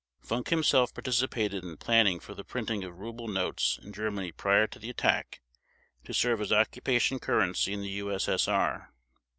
Funk himself participated in planning for the printing of ruble notes in Germany prior to the attack to serve as occupation currency in the U.S.S.R.